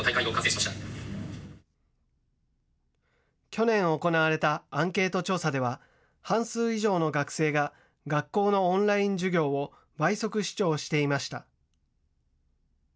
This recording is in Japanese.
去年行われたアンケート調査では半数以上の学生が学校のオンライン授業を倍速視聴していました。